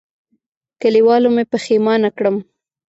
کلیوالو مې پښېمانه کړم.